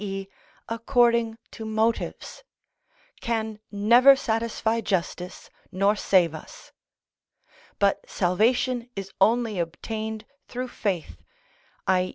e._, according to motives, can never satisfy justice nor save us; but salvation is only obtained through faith, _i.